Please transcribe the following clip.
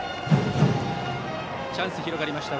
チャンスが広がりました